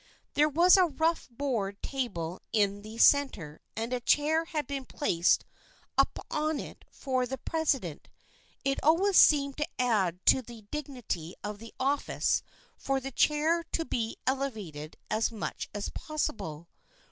There was a rough board table in the centre and a chair had been placed upon it for the president. It always seemed to add to the dig nity of the office for the chair to be elevated as much as possible.